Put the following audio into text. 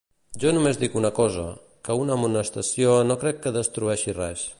Jo només dic una cosa, que una amonestació no crec que destrueixi res.